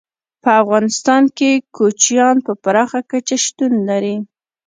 په افغانستان کې کوچیان په پراخه کچه شتون لري.